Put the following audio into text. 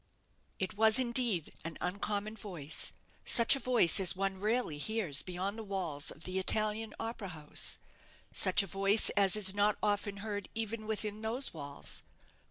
It was, indeed, an uncommon voice, such a voice as one rarely hears beyond the walls of the Italian opera house such a voice as is not often heard even within those walls.